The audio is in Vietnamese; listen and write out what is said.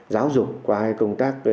giáo dục qua cái công tác